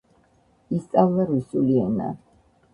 ისწავლა რუსული ენა.